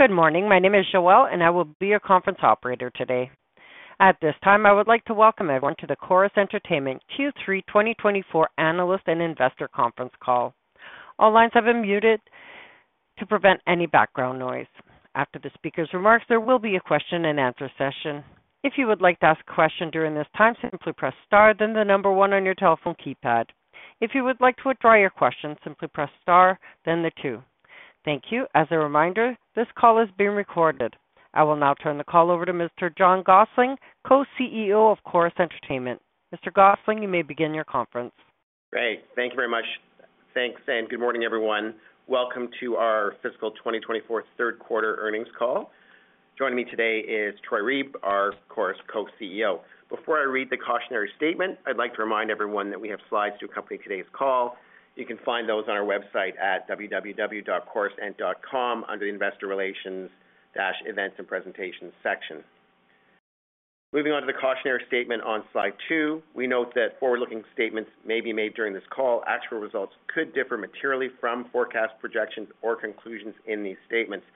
Good morning. My name is Joelle, and I will be your conference operator today. At this time, I would like to welcome everyone to the Corus Entertainment Q3 2024 Analyst and Investor Conference Call. All lines have been muted to prevent any background noise. After the speaker's remarks, there will be a question-and-answer session. If you would like to ask a question during this time, simply press star, then the number one on your telephone keypad. If you would like to withdraw your question, simply press star, then the two. Thank you. As a reminder, this call is being recorded. I will now turn the call over to Mr. John Gossling, Co-CEO of Corus Entertainment. Mr. Gossling, you may begin your conference. Great, thank you very much. Thanks, and good morning, everyone. Welcome to our fiscal 2024 third quarter earnings call. Joining me today is Troy Reeb, our Corus Co-CEO. Before I read the cautionary statement, I'd like to remind everyone that we have slides to accompany today's call. You can find those on our website at www.corusent.com under the Investor Relations-Events and Presentations section. Moving on to the cautionary statement on slide 2, we note that forward-looking statements may be made during this call. Actual results could differ materially from forecast projections or conclusions in these statements.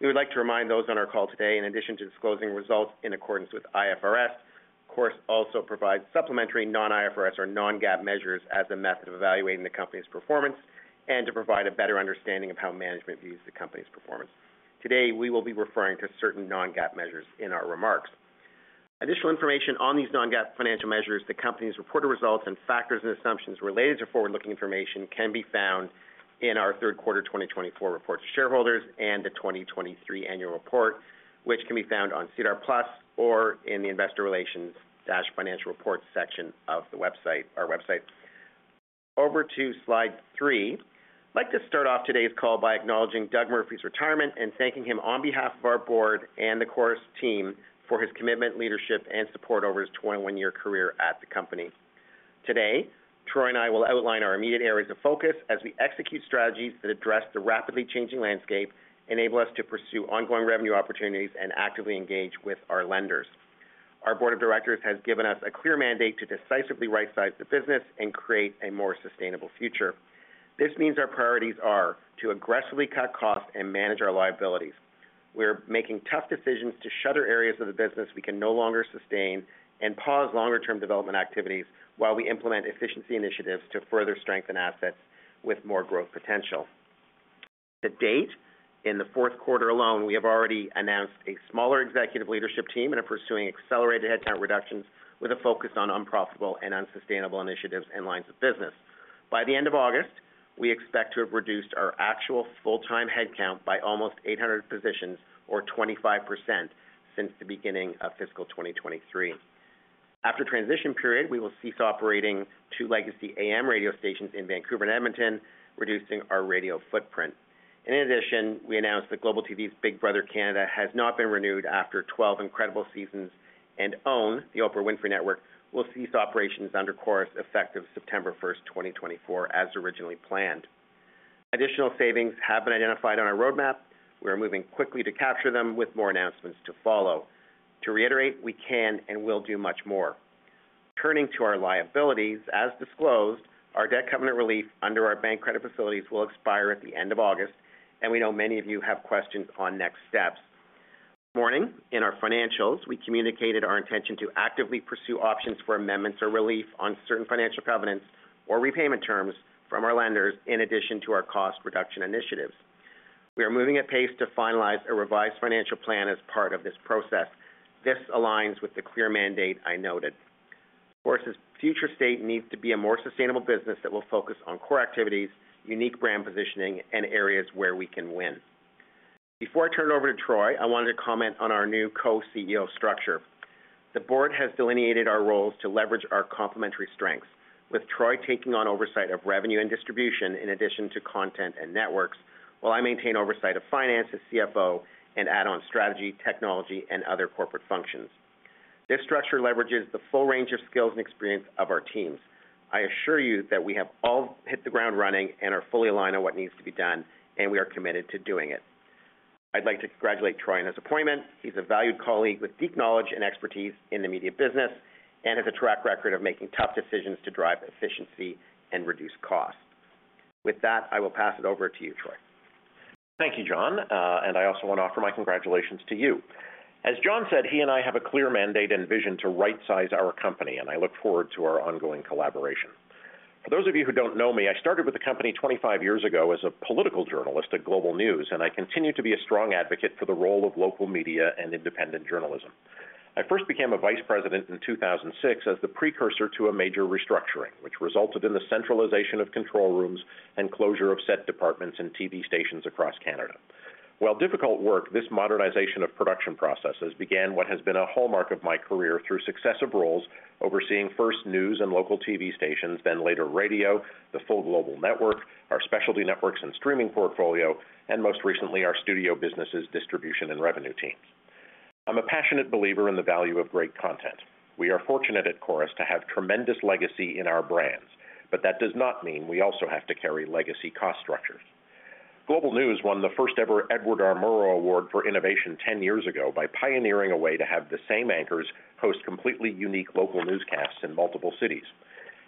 We would like to remind those on our call today, in addition to disclosing results in accordance with IFRS, Corus also provides supplementary non-IFRS or non-GAAP measures as a method of evaluating the company's performance and to provide a better understanding of how management views the company's performance. Today, we will be referring to certain non-GAAP measures in our remarks. Additional information on these non-GAAP financial measures, the company's reported results, and factors and assumptions related to forward-looking information can be found in our third quarter 2024 report to shareholders and the 2023 annual report, which can be found on SEDAR+ or in the Investor Relations-Financial Reports section of the website, our website. Over to slide 3. I'd like to start off today's call by acknowledging Doug Murphy's retirement and thanking him on behalf of our board and the Corus team for his commitment, leadership, and support over his 21-year career at the company. Today, Troy and I will outline our immediate areas of focus as we execute strategies that address the rapidly changing landscape, enable us to pursue ongoing revenue opportunities, and actively engage with our lenders. Our board of directors has given us a clear mandate to decisively right-size the business and create a more sustainable future. This means our priorities are to aggressively cut costs and manage our liabilities. We're making tough decisions to shutter areas of the business we can no longer sustain and pause longer-term development activities while we implement efficiency initiatives to further strengthen assets with more growth potential. To date, in the fourth quarter alone, we have already announced a smaller executive leadership team and are pursuing accelerated headcount reductions with a focus on unprofitable and unsustainable initiatives and lines of business. By the end of August, we expect to have reduced our actual full-time headcount by almost 800 positions or 25% since the beginning of fiscal 2023. After transition period, we will cease operating 2 legacy AM radio stations in Vancouver and Edmonton, reducing our radio footprint. In addition, we announced that Global TV's Big Brother Canada has not been renewed after 12 incredible seasons, and OWN, the Oprah Winfrey Network, will cease operations under Corus effective September 1st, 2024, as originally planned. Additional savings have been identified on our roadmap. We are moving quickly to capture them with more announcements to follow. To reiterate, we can and will do much more. Turning to our liabilities, as disclosed, our debt covenant relief under our bank credit facilities will expire at the end of August, and we know many of you have questions on next steps. This morning, in our financials, we communicated our intention to actively pursue options for amendments or relief on certain financial covenants or repayment terms from our lenders, in addition to our cost reduction initiatives. We are moving at pace to finalize a revised financial plan as part of this process. This aligns with the clear mandate I noted. Corus' future state needs to be a more sustainable business that will focus on core activities, unique brand positioning, and areas where we can win. Before I turn it over to Troy, I wanted to comment on our new co-CEO structure. The board has delineated our roles to leverage our complementary strengths, with Troy taking on oversight of revenue and distribution in addition to content and networks, while I maintain oversight of finance as CFO and add on strategy, technology, and other corporate functions. This structure leverages the full range of skills and experience of our teams. I assure you that we have all hit the ground running and are fully aligned on what needs to be done, and we are committed to doing it. I'd like to congratulate Troy on his appointment. He's a valued colleague with deep knowledge and expertise in the media business and has a track record of making tough decisions to drive efficiency and reduce costs. With that, I will pass it over to you, Troy. Thank you, John, and I also want to offer my congratulations to you. As John said, he and I have a clear mandate and vision to right-size our company, and I look forward to our ongoing collaboration. For those of you who don't know me, I started with the company 25 years ago as a political journalist at Global News, and I continue to be a strong advocate for the role of local media and independent journalism. I first became a vice president in 2006 as the precursor to a major restructuring, which resulted in the centralization of control rooms and closure of set departments and TV stations across Canada. While difficult work, this modernization of production processes began what has been a hallmark of my career through successive roles, overseeing first news and local TV stations, then later radio, the full global network, our specialty networks and streaming portfolio, and most recently, our studio businesses, distribution, and revenue teams. I'm a passionate believer in the value of great content. We are fortunate at Corus to have tremendous legacy in our brands, but that does not mean we also have to carry legacy cost structures. Global News won the first ever Edward R. Murrow Award for innovation ten years ago by pioneering a way to have the same anchors host completely unique local newscasts in multiple cities.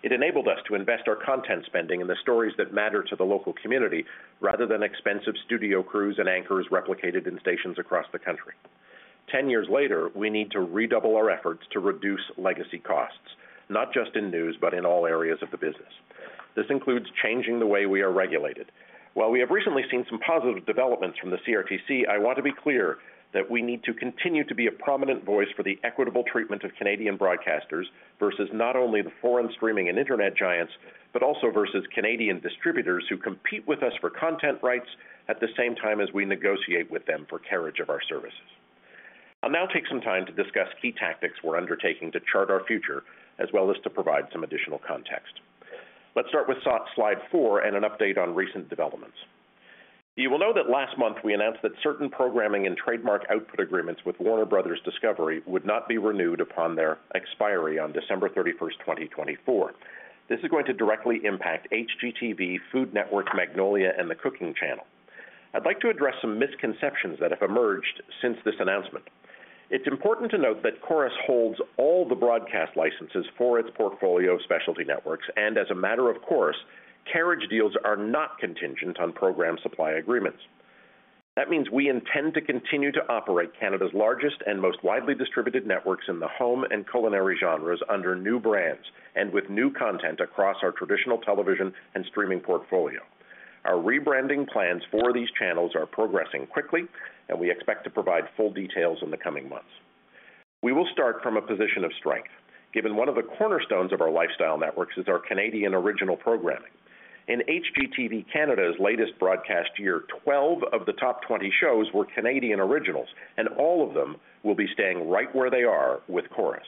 It enabled us to invest our content spending in the stories that matter to the local community, rather than expensive studio crews and anchors replicated in stations across the country. Ten years later, we need to redouble our efforts to reduce legacy costs, not just in news, but in all areas of the business. This includes changing the way we are regulated. While we have recently seen some positive developments from the CRTC, I want to be clear that we need to continue to be a prominent voice for the equitable treatment of Canadian broadcasters, versus not only the foreign streaming and internet giants, but also versus Canadian distributors who compete with us for content rights at the same time as we negotiate with them for carriage of our services. I'll now take some time to discuss key tactics we're undertaking to chart our future, as well as to provide some additional context. Let's start with slide 4 and an update on recent developments. You will know that last month, we announced that certain programming and trademark output agreements with Warner Bros. Discovery would not be renewed upon their expiry on December 31st, 2024. This is going to directly impact HGTV, Food Network, Magnolia, and the Cooking Channel. I'd like to address some misconceptions that have emerged since this announcement. It's important to note that Corus holds all the broadcast licenses for its portfolio of specialty networks, and as a matter of course, carriage deals are not contingent on program supply agreements. That means we intend to continue to operate Canada's largest and most widely distributed networks in the home and culinary genres under new brands and with new content across our traditional television and streaming portfolio. Our rebranding plans for these channels are progressing quickly, and we expect to provide full details in the coming months. We will start from a position of strength, given one of the cornerstones of our lifestyle networks is our Canadian original programming. In HGTV, Canada's latest broadcast year, 12 of the top 20 shows were Canadian originals, and all of them will be staying right where they are with Corus.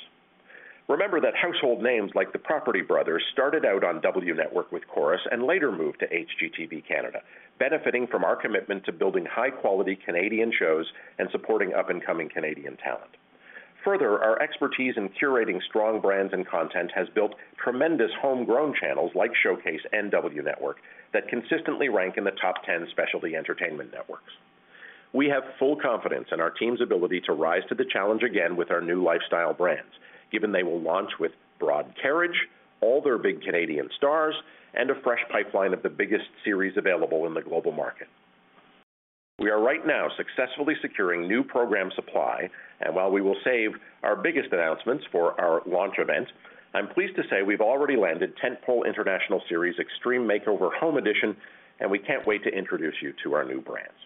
Remember that household names like The Property Brothers, started out on W Network with Corus and later moved to HGTV Canada, benefiting from our commitment to building high-quality Canadian shows and supporting up-and-coming Canadian talent. Further, our expertise in curating strong brands and content has built tremendous homegrown channels like Showcase and W Network, that consistently rank in the top 10 specialty entertainment networks. We have full confidence in our team's ability to rise to the challenge again with our new lifestyle brands, given they will launch with broad carriage, all their big Canadian stars, and a fresh pipeline of the biggest series available in the global market. We are right now successfully securing new program supply, and while we will save our biggest announcements for our launch event, I'm pleased to say we've already landed tent-pole international series, Extreme Makeover: Home Edition, and we can't wait to introduce you to our new brands.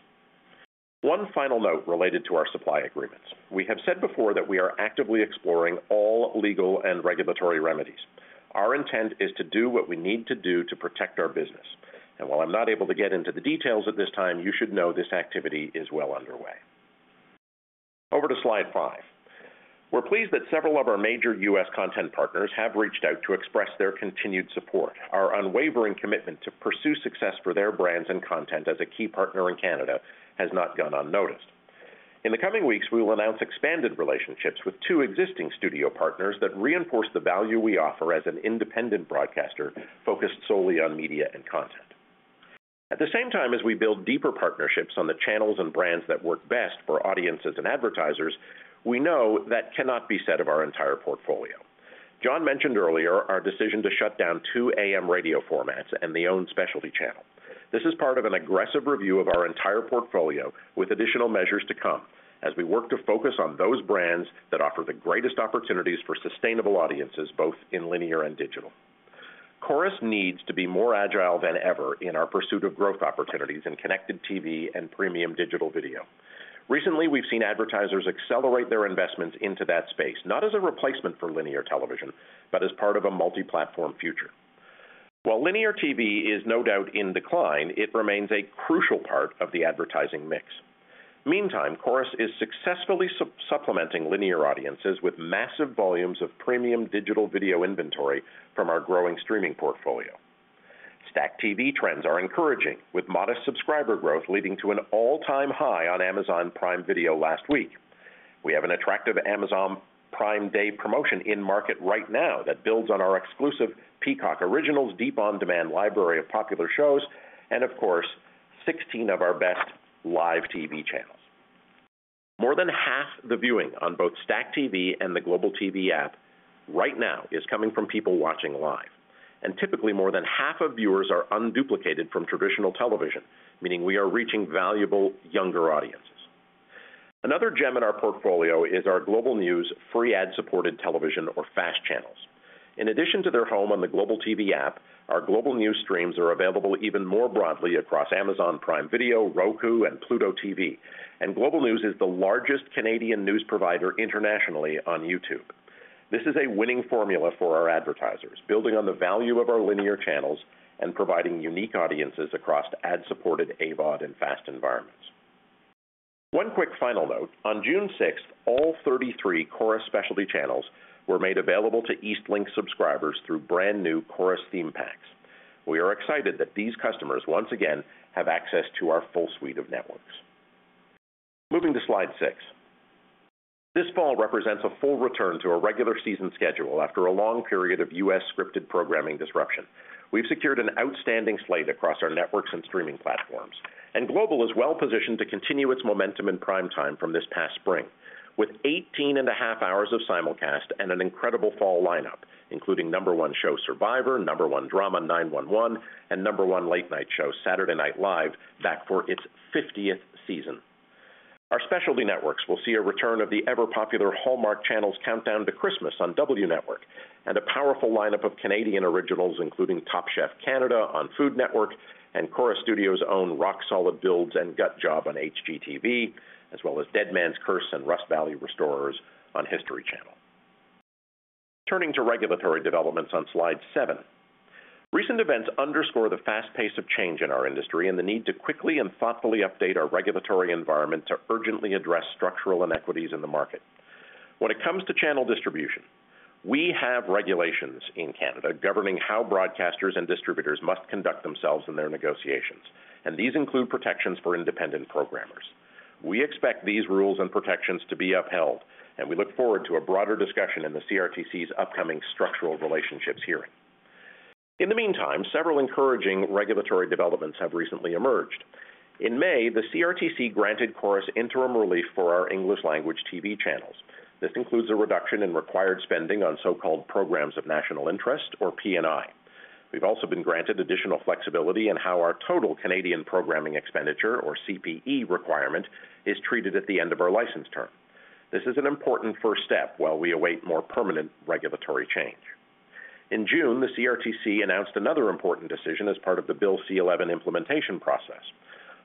One final note related to our supply agreements. We have said before that we are actively exploring all legal and regulatory remedies. Our intent is to do what we need to do to protect our business, and while I'm not able to get into the details at this time, you should know this activity is well underway. Over to slide 5. We're pleased that several of our major U.S. content partners have reached out to express their continued support. Our unwavering commitment to pursue success for their brands and content as a key partner in Canada, has not gone unnoticed. In the coming weeks, we will announce expanded relationships with two existing studio partners that reinforce the value we offer as an independent broadcaster focused solely on media and content. At the same time, as we build deeper partnerships on the channels and brands that work best for audiences and advertisers, we know that cannot be said of our entire portfolio. John mentioned earlier our decision to shut down two AM radio formats and the OWN specialty channel. This is part of an aggressive review of our entire portfolio, with additional measures to come as we work to focus on those brands that offer the greatest opportunities for sustainable audiences, both in linear and digital. Corus needs to be more agile than ever in our pursuit of growth opportunities in connected TV and premium digital video. Recently, we've seen advertisers accelerate their investments into that space, not as a replacement for linear television, but as part of a multi-platform future. While linear TV is no doubt in decline, it remains a crucial part of the advertising mix. Meantime, Corus is successfully supplementing linear audiences with massive volumes of premium digital video inventory from our growing streaming portfolio. StackTV trends are encouraging, with modest subscriber growth leading to an all-time high on Amazon Prime Video last week. We have an attractive Amazon Prime Day promotion in market right now that builds on our exclusive Peacock Originals, deep on-demand library of popular shows, and of course, 16 of our best live TV channels. More than half the viewing on both StackTV and the Global TV app right now is coming from people watching live, and typically, more than half of viewers are unduplicated from traditional television, meaning we are reaching valuable younger audiences. Another gem in our portfolio is our Global News, free ad-supported television or FAST channels. In addition to their home on the Global TV app, our Global News streams are available even more broadly across Amazon Prime Video, Roku, and Pluto TV, and Global News is the largest Canadian news provider internationally on YouTube. This is a winning formula for our advertisers, building on the value of our linear channels and providing unique audiences across ad-supported AVOD and FAST environments. One quick final note: On June 6th, all 33 Corus specialty channels were made available to Eastlink subscribers through brand new Corus theme packs. We are excited that these customers, once again, have access to our full suite of networks. Moving to slide 6. This fall represents a full return to a regular season schedule after a long period of U.S. scripted programming disruption. We've secured an outstanding slate across our networks and streaming platforms, and Global is well positioned to continue its momentum in prime time from this past spring, with 18.5 hours of simulcast and an incredible fall lineup, including number one show, Survivor, number one drama, 9-1-1, and number one late night show, Saturday Night Live, back for its 50th season. Our specialty networks will see a return of the ever-popular Hallmark Channel's Countdown to Christmas on W Network, and a powerful lineup of Canadian originals, including Top Chef Canada on Food Network and Corus Studios' own Rock Solid Builds and Gut Job on HGTV, as well as Deadman's Curse and Rust Valley Restorers on History Channel. Turning to regulatory developments on slide 7. Recent events underscore the fast pace of change in our industry and the need to quickly and thoughtfully update our regulatory environment to urgently address structural inequities in the market. When it comes to channel distribution, we have regulations in Canada governing how broadcasters and distributors must conduct themselves in their negotiations, and these include protections for independent programmers. We expect these rules and protections to be upheld, and we look forward to a broader discussion in the CRTC's upcoming structural relationships hearing. In the meantime, several encouraging regulatory developments have recently emerged. In May, the CRTC granted Corus interim relief for our English language TV channels. This includes a reduction in required spending on so-called Programs of National Interest, or PNI. We've also been granted additional flexibility in how our total Canadian Programming Expenditure, or CPE, requirement is treated at the end of our license term. This is an important first step while we await more permanent regulatory change. In June, the CRTC announced another important decision as part of the Bill C-11 implementation process.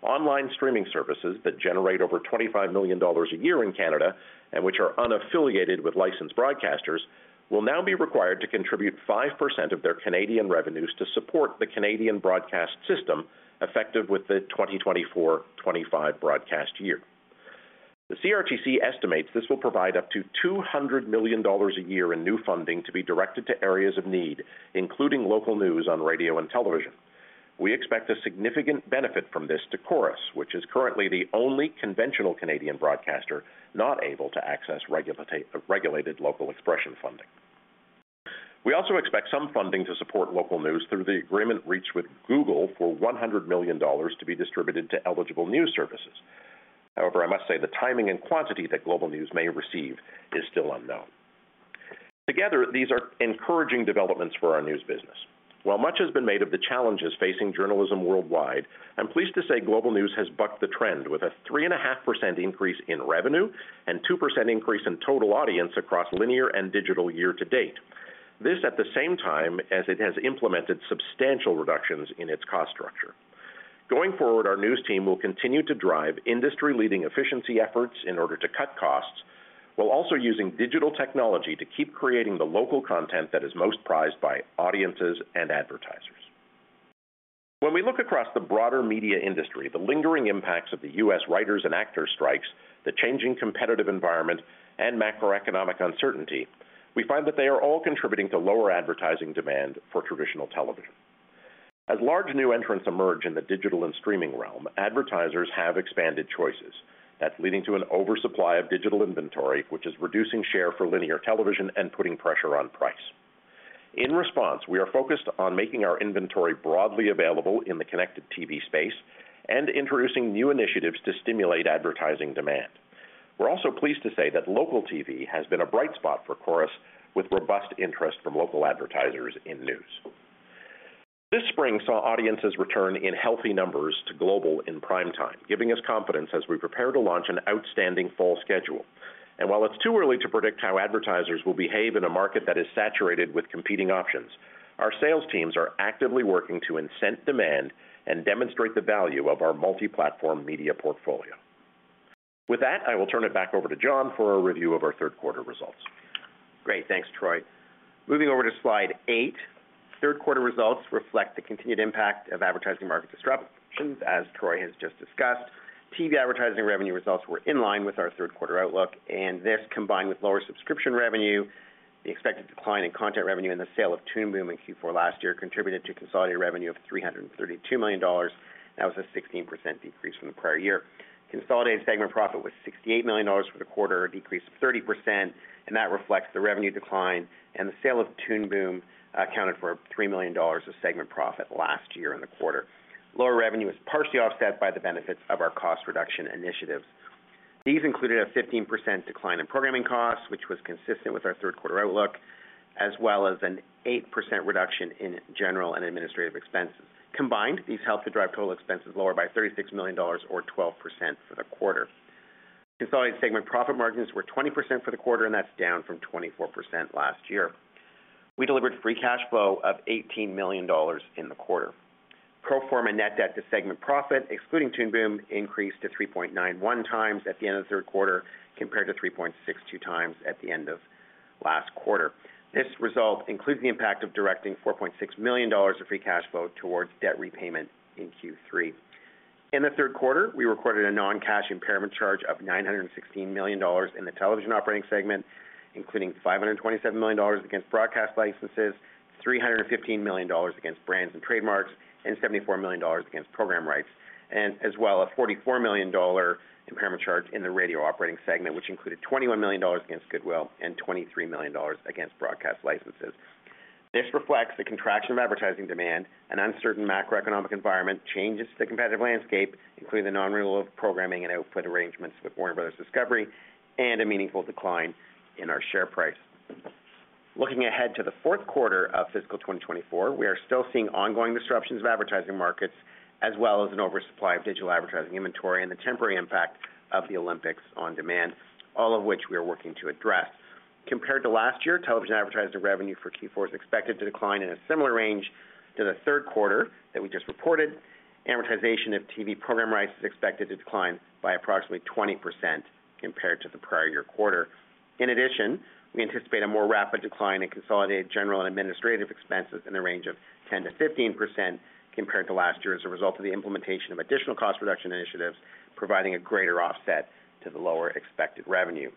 Online streaming services that generate over 25 million dollars a year in Canada, and which are unaffiliated with licensed broadcasters, will now be required to contribute 5% of their Canadian revenues to support the Canadian broadcast system, effective with the 2024-2025 broadcast year. The CRTC estimates this will provide up to 200 million dollars a year in new funding to be directed to areas of need, including local news on radio and television. We expect a significant benefit from this to Corus, which is currently the only conventional Canadian broadcaster not able to access regulated local expression funding. We also expect some funding to support local news through the agreement reached with Google for 100 million dollars to be distributed to eligible news services. However, I must say the timing and quantity that Global News may receive is still unknown. Together, these are encouraging developments for our news business. While much has been made of the challenges facing journalism worldwide, I'm pleased to say Global News has bucked the trend with a 3.5% increase in revenue and 2% increase in total audience across linear and digital year-to-date. This, at the same time, as it has implemented substantial reductions in its cost structure. Going forward, our news team will continue to drive industry-leading efficiency efforts in order to cut costs, while also using digital technology to keep creating the local content that is most prized by audiences and advertisers. When we look across the broader media industry, the lingering impacts of the U.S. writers and actors strikes, the changing competitive environment and macroeconomic uncertainty, we find that they are all contributing to lower advertising demand for traditional television. As large new entrants emerge in the digital and streaming realm, advertisers have expanded choices. That's leading to an oversupply of digital inventory, which is reducing share for linear television and putting pressure on price. In response, we are focused on making our inventory broadly available in the connected TV space and introducing new initiatives to stimulate advertising demand. We're also pleased to say that local TV has been a bright spot for Corus, with robust interest from local advertisers in news. This spring saw audiences return in healthy numbers to Global in prime time, giving us confidence as we prepare to launch an outstanding fall schedule. And while it's too early to predict how advertisers will behave in a market that is saturated with competing options, our sales teams are actively working to incent demand and demonstrate the value of our multi-platform media portfolio. With that, I will turn it back over to John for a review of our third quarter results. Great. Thanks, Troy. Moving over to slide 8, third quarter results reflect the continued impact of advertising market disruptions, as Troy has just discussed. TV advertising revenue results were in line with our third quarter outlook, and this, combined with lower subscription revenue, the expected decline in content revenue, and the sale of Toon Boom in Q4 last year, contributed to consolidated revenue of 332 million dollars. That was a 16% decrease from the prior year. Consolidated segment profit was 68 million dollars for the quarter, a decrease of 30%, and that reflects the revenue decline and the sale of Toon Boom accounted for 3 million dollars of segment profit last year in the quarter. Lower revenue was partially offset by the benefits of our cost reduction initiatives. These included a 15% decline in programming costs, which was consistent with our third quarter outlook, as well as an 8% reduction in general and administrative expenses. Combined, these helped to drive total expenses lower by 36 million dollars or 12% for the quarter. Consolidated segment profit margins were 20% for the quarter, and that's down from 24% last year. We delivered free cash flow of 18 million dollars in the quarter. Pro forma net debt to segment profit, excluding Toon Boom, increased to 3.91 times at the end of the third quarter, compared to 3.62 times at the end of last quarter. This result includes the impact of directing 4.6 million dollars of free cash flow towards debt repayment in Q3. In the third quarter, we recorded a non-cash impairment charge of 916 million dollars in the television operating segment, including 527 million dollars against broadcast licenses, 315 million dollars against brands and trademarks, and 74 million dollars against program rights, and as well, a 44 million dollar impairment charge in the radio operating segment, which included 21 million dollars against goodwill and 23 million dollars against broadcast licenses. This reflects the contraction of advertising demand and uncertain macroeconomic environment, changes to the competitive landscape, including the nonrenewal of programming and output arrangements with Warner Bros. Discovery, and a meaningful decline in our share price. Looking ahead to the fourth quarter of fiscal 2024, we are still seeing ongoing disruptions of advertising markets, as well as an oversupply of digital advertising inventory and the temporary impact of the Olympics on demand, all of which we are working to address. Compared to last year, television advertising revenue for Q4 is expected to decline in a similar range to the third quarter that we just reported. Amortization of TV program rights is expected to decline by approximately 20% compared to the prior year quarter. In addition, we anticipate a more rapid decline in consolidated general and administrative expenses in the range of 10%-15% compared to last year, as a result of the implementation of additional cost reduction initiatives, providing a greater offset to the lower expected revenue.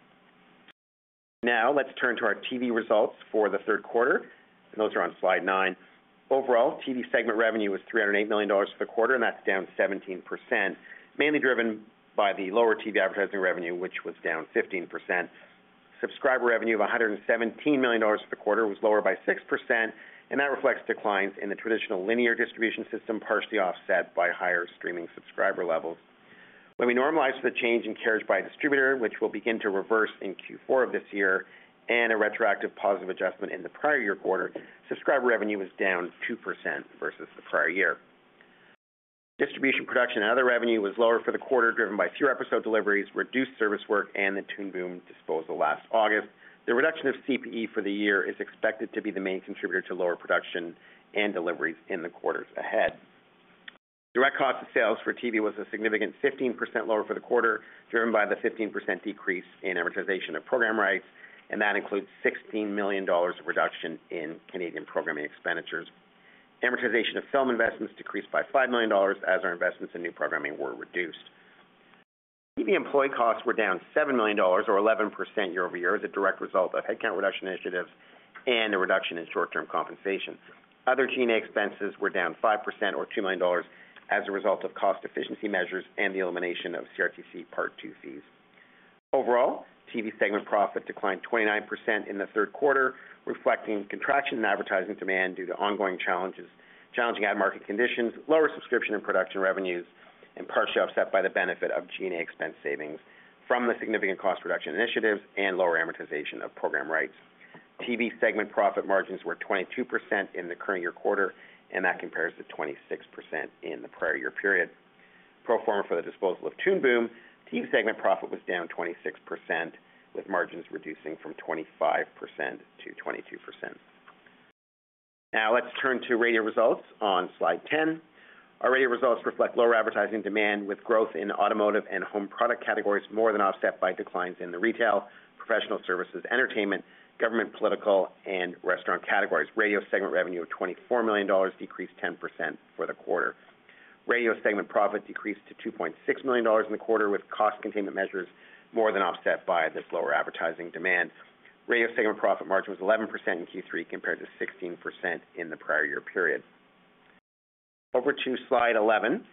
Now, let's turn to our TV results for the third quarter, and those are on slide 9. Overall, TV segment revenue was 308 million dollars for the quarter, and that's down 17%, mainly driven by the lower TV advertising revenue, which was down 15%. Subscriber revenue of 117 million dollars for the quarter was lower by 6%, and that reflects declines in the traditional linear distribution system, partially offset by higher streaming subscriber levels. When we normalize for the change in carriage by distributor, which will begin to reverse in Q4 of this year, and a retroactive positive adjustment in the prior year quarter, subscriber revenue was down 2% versus the prior year. Distribution, production, and other revenue was lower for the quarter, driven by fewer episode deliveries, reduced service work, and the Toon Boom disposal last August. The reduction of CPE for the year is expected to be the main contributor to lower production and deliveries in the quarters ahead. Direct cost of sales for TV was a significant 15% lower for the quarter, driven by the 15% decrease in amortization of program rights, and that includes 16 million dollars of reduction in Canadian programming expenditures. Amortization of film investments decreased by 5 million dollars, as our investments in new programming were reduced. TV employee costs were down 7 million dollars, or 11% year-over-year, as a direct result of headcount reduction initiatives and a reduction in short-term compensation. Other G&A expenses were down 5% or 2 million dollars as a result of cost efficiency measures and the elimination of CRTC Part II fees. Overall, TV segment profit declined 29% in the third quarter, reflecting contraction in advertising demand due to ongoing challenges, challenging ad market conditions, lower subscription and production revenues, and partially offset by the benefit of G&A expense savings from the significant cost reduction initiatives and lower amortization of program rights. TV segment profit margins were 22% in the current year quarter, and that compares to 26% in the prior year period. Pro forma for the disposal of Toon Boom, TV segment profit was down 26%, with margins reducing from 25%-22%. Now, let's turn to radio results on slide 10. Our radio results reflect lower advertising demand, with growth in automotive and home product categories more than offset by declines in the retail, professional services, entertainment, government, political, and restaurant categories. Radio segment revenue of 24 million dollars decreased 10% for the quarter. Radio segment profit decreased to 2.6 million dollars in the quarter, with cost containment measures more than offset by this lower advertising demand. Radio segment profit margin was 11% in Q3, compared to 16% in the prior year period. Over to slide 11.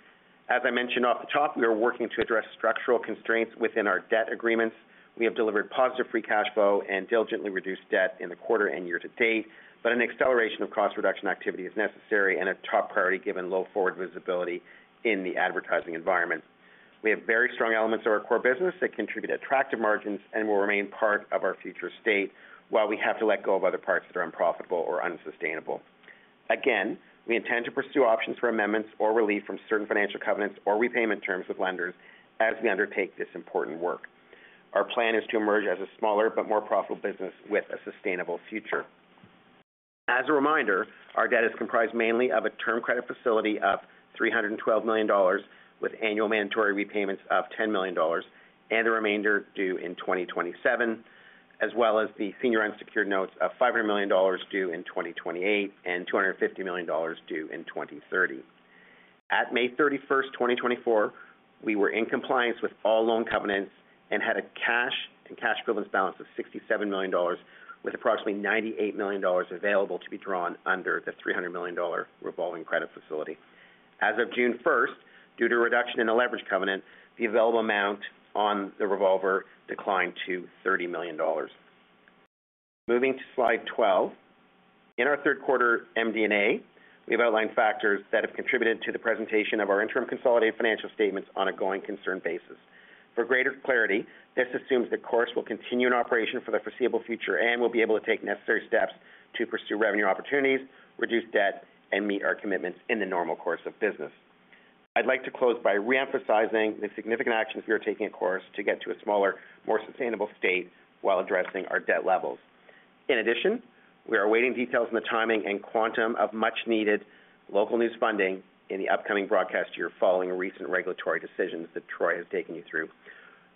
As I mentioned off the top, we are working to address structural constraints within our debt agreements. We have delivered positive free cash flow and diligently reduced debt in the quarter and year-to-date, but an acceleration of cost reduction activity is necessary and a top priority, given low forward visibility in the advertising environment. We have very strong elements of our core business that contribute attractive margins and will remain part of our future state, while we have to let go of other parts that are unprofitable or unsustainable. Again, we intend to pursue options for amendments or relief from certain financial covenants or repayment terms with lenders as we undertake this important work. Our plan is to emerge as a smaller but more profitable business with a sustainable future. As a reminder, our debt is comprised mainly of a term credit facility of 312 million dollars, with annual mandatory repayments of 10 million dollars and the remainder due in 2027, as well as the senior unsecured notes of 500 million dollars due in 2028 and 250 million dollars due in 2030. At May 31st, 2024, we were in compliance with all loan covenants and had a cash and cash equivalents balance of 67 million dollars, with approximately 98 million dollars available to be drawn under the 300 million dollar revolving credit facility. As of June 1st, due to a reduction in the leverage covenant, the available amount on the revolver declined to 30 million dollars. Moving to slide 12. In our third quarter MD&A, we have outlined factors that have contributed to the presentation of our interim consolidated financial statements on a going concern basis. For greater clarity, this assumes that Corus will continue in operation for the foreseeable future and will be able to take necessary steps to pursue revenue opportunities, reduce debt, and meet our commitments in the normal course of business. I'd like to close by re-emphasizing the significant actions we are taking at Corus to get to a smaller, more sustainable state while addressing our debt levels. In addition, we are awaiting details on the timing and quantum of much-needed local news funding in the upcoming broadcast year following recent regulatory decisions that Troy has taken you through.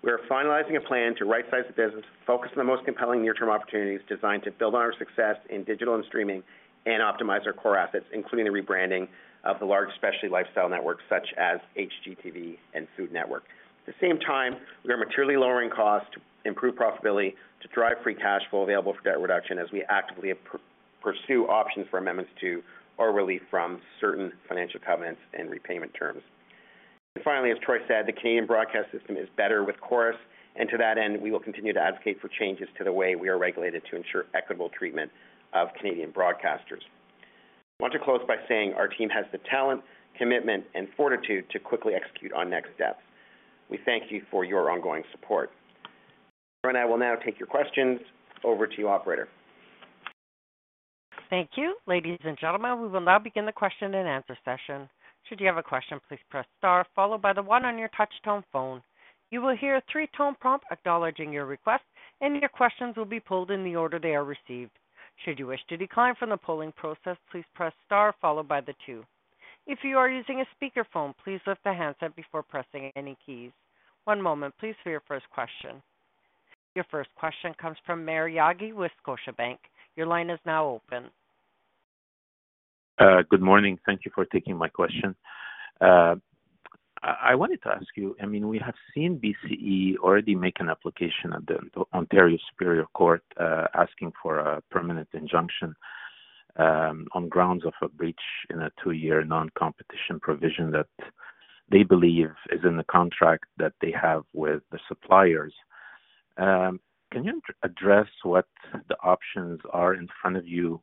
We are finalizing a plan to rightsize the business, focus on the most compelling near-term opportunities designed to build on our success in digital and streaming, and optimize our core assets, including the rebranding of the large specialty lifestyle networks such as HGTV and Food Network. At the same time, we are materially lowering costs to improve profitability, to drive free cash flow available for debt reduction as we actively pursue options for amendments to or relief from certain financial covenants and repayment terms. And finally, as Troy said, the Canadian broadcast system is better with Corus, and to that end, we will continue to advocate for changes to the way we are regulated to ensure equitable treatment of Canadian broadcasters. I want to close by saying our team has the talent, commitment, and fortitude to quickly execute on next steps. We thank you for your ongoing support. I will now take your questions. Over to you, operator. Thank you. Ladies and gentlemen, we will now begin the question-and-answer session. Should you have a question, please press star followed by the one on your touch-tone phone. You will hear a three-tone prompt acknowledging your request, and your questions will be pulled in the order they are received. Should you wish to decline from the polling process, please press star followed by the two. If you are using a speakerphone, please lift the handset before pressing any keys. One moment, please, for your first question. Your first question comes from Maher Yaghi with Scotiabank. Your line is now open. Good morning. Thank you for taking my question. I wanted to ask you, I mean, we have seen BCE already make an application at the Ontario Superior Court, asking for a permanent injunction, on grounds of a breach in a two-year non-competition provision that they believe is in the contract that they have with the suppliers. Can you address what the options are in front of you?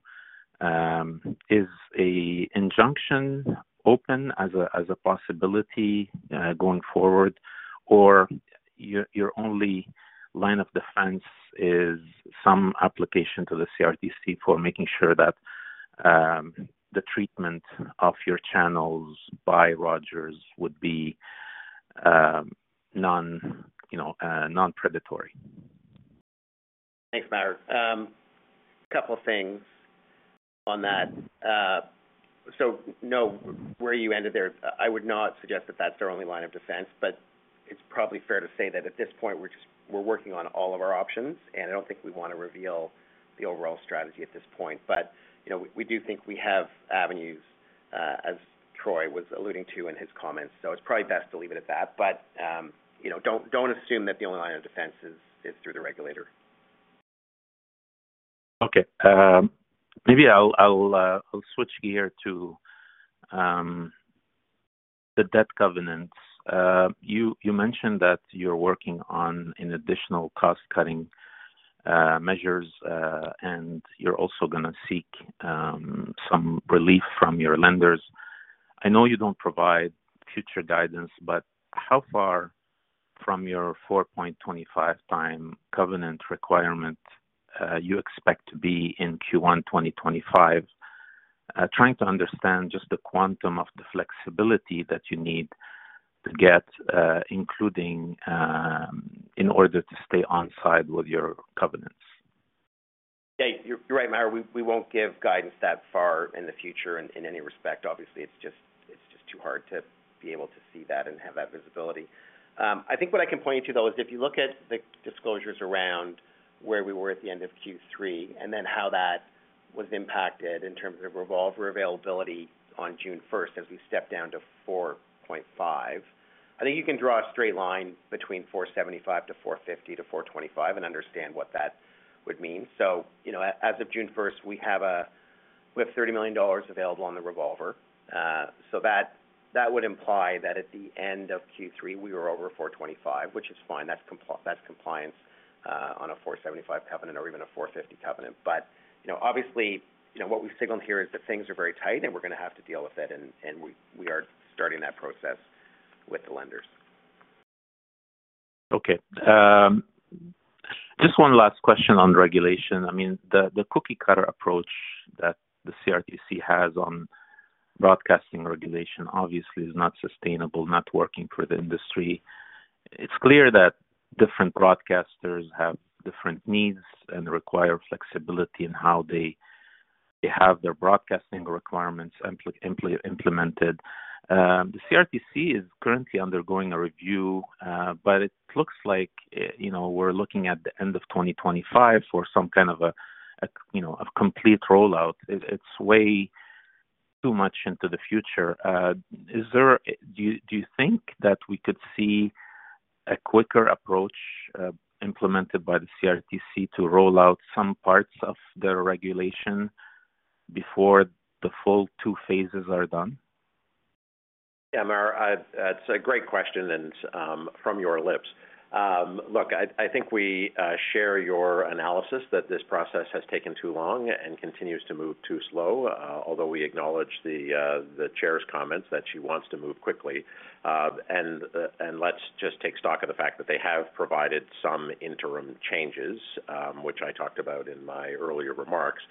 Is a injunction open as a possibility going forward, or your only line of defense is some application to the CRTC for making sure that the treatment of your channels by Rogers would be non-predatory? Thanks, Maher. A couple of things on that. So no, where you ended there, I would not suggest that that's our only line of defense, but it's probably fair to say that at this point, we're just - we're working on all of our options, and I don't think we want to reveal the overall strategy at this point. But, you know, we do think we have avenues, as Troy was alluding to in his comments, so it's probably best to leave it at that. But, you know, don't, don't assume that the only line of defense is, is through the regulator. Okay, maybe I'll switch gear to the debt covenants. You mentioned that you're working on an additional cost-cutting measures, and you're also going to seek some relief from your lenders. I know you don't provide future guidance, but how far from your 4.25x covenant requirement you expect to be in Q1 2025? Trying to understand just the quantum of the flexibility that you need to get, including in order to stay on side with your covenants. Yeah, you're right, Maher. We won't give guidance that far in the future in any respect. Obviously, it's just too hard to be able to see that and have that visibility. I think what I can point you to, though, is if you look at the disclosures around where we were at the end of Q3, and then how that was impacted in terms of revolver availability on June 1st, as we stepped down to 4.5. I think you can draw a straight line between 4.75 to 4.50 to 4.25 and understand what that would mean. So, you know, as of June 1st, we have 30 million dollars available on the revolver, so that would imply that at the end of Q3, we were over 4.25, which is fine. That's compliance on a 4.75 covenant or even a 4.50 covenant. But, you know, obviously, you know, what we've signaled here is that things are very tight, and we're going to have to deal with it, and we are starting that process with the lenders. Okay, just one last question on regulation. I mean, the cookie-cutter approach that the CRTC has on broadcasting regulation obviously is not sustainable, not working for the industry. It's clear that different broadcasters have different needs and require flexibility in how they have their broadcasting requirements implemented. The CRTC is currently undergoing a review, but it looks like, you know, we're looking at the end of 2025 for some kind of a, you know, a complete rollout. It's way too much into the future. Is there Do you think that we could see a quicker approach implemented by the CRTC to roll out some parts of the regulation before the full two phases are done? Yeah, Maher, it's a great question, and from your lips. Look, I think we share your analysis that this process has taken too long and continues to move too slow, although we acknowledge the chair's comments that she wants to move quickly. And let's just take stock of the fact that they have provided some interim changes, which I talked about in my earlier remarks.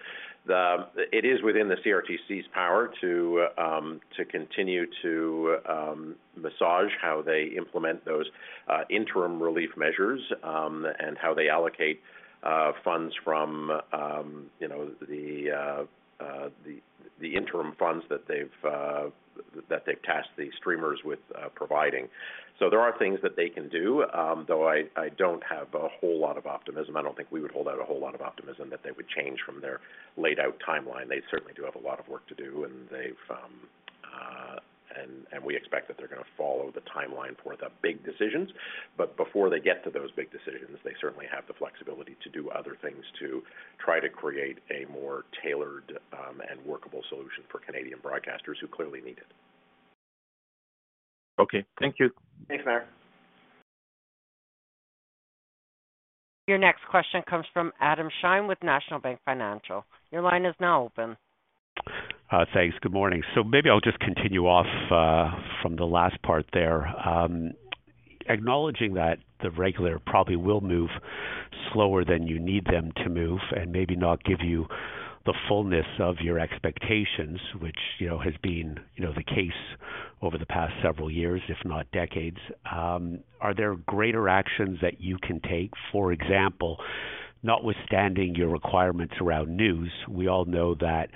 It is within the CRTC's power to continue to massage how they implement those interim relief measures, and how they allocate funds from, you know, the interim funds that they've tasked the streamers with providing. So there are things that they can do, though I don't have a whole lot of optimism. I don't think we would hold out a whole lot of optimism that they would change from their laid-out timeline. They certainly do have a lot of work to do, and they've. And we expect that they're going to follow the timeline for the big decisions, but before they get to those big decisions, they certainly have the flexibility to do other things to try to create a more tailored, and workable solution for Canadian broadcasters who clearly need it. Okay. Thank you. Thanks, Maher. Your next question comes from Adam Shine with National Bank Financial. Your line is now open. Thanks. Good morning. So maybe I'll just continue off from the last part there. Acknowledging that the regulator probably will move slower than you need them to move and maybe not give you the fullness of your expectations, which, you know, has been, you know, the case over the past several years, if not decades, are there greater actions that you can take? For example, notwithstanding your requirements around news, we all know that,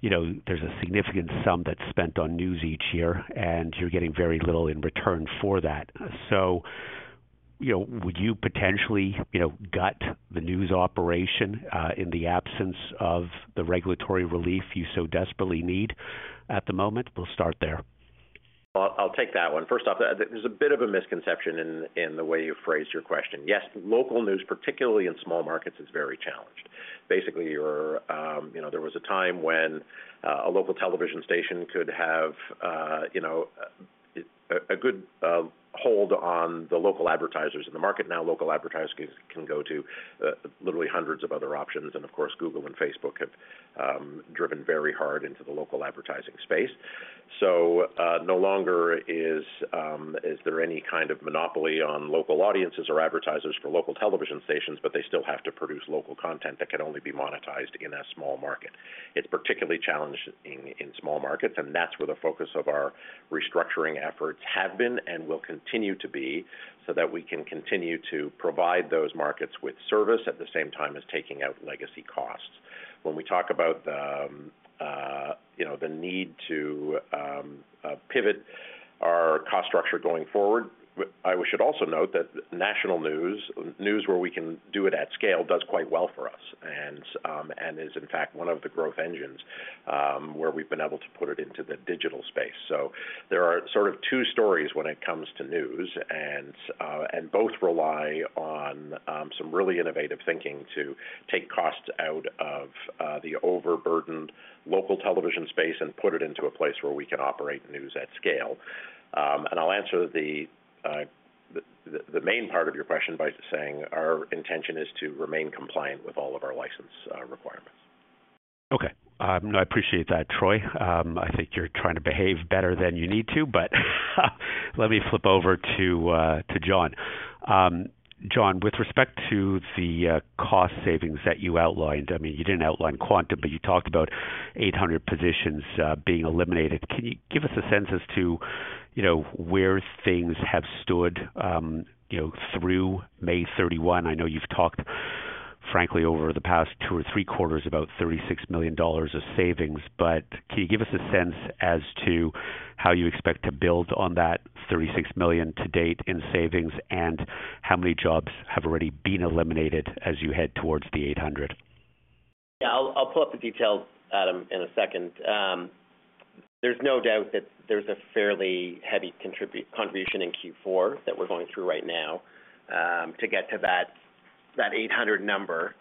you know, there's a significant sum that's spent on news each year, and you're getting very little in return for that. So, you know, would you potentially, you know, gut the news operation in the absence of the regulatory relief you so desperately need at the moment? We'll start there. Well, I'll take that one. First off, there's a bit of a misconception in, in the way you phrased your question. Yes, local news, particularly in small markets, is very challenged. Basically, you're, you know, there was a time when, a local television station could have, you know, a good, hold on the local advertisers in the market. Now, local advertisers can, can go to, literally hundreds of other options, and of course, Google and Facebook have, driven very hard into the local advertising space. So, no longer is, is there any kind of monopoly on local audiences or advertisers for local television stations, but they still have to produce local content that can only be monetized in a small market. It's particularly challenged in small markets, and that's where the focus of our restructuring efforts have been and will continue to be, so that we can continue to provide those markets with service at the same time as taking out legacy costs. When we talk about you know the need to pivot our cost structure going forward, I should also note that national news, news where we can do it at scale, does quite well for us, and and is in fact one of the growth engines, where we've been able to put it into the digital space. So there are sort of two stories when it comes to news, and both rely on some really innovative thinking to take costs out of the overburdened local television space and put it into a place where we can operate news at scale. And I'll answer the main part of your question by saying our intention is to remain compliant with all of our license requirements. Okay. I appreciate that, Troy. I think you're trying to behave better than you need to, but let me flip over to, to John. John, with respect to the cost savings that you outlined, I mean, you didn't outline quantum, but you talked about 800 positions being eliminated. Can you give us a sense as to, you know, where things have stood, you know, through May 31st? I know you've talked, frankly, over the past two or three quarters about 36 million dollars of savings, but can you give us a sense as to how you expect to build on that 36 million to date in savings, and how many jobs have already been eliminated as you head towards the 800? Yeah, I'll pull up the details, Adam, in a second. There's no doubt that there's a fairly heavy contribution in Q4 that we're going through right now to get to that 800 number.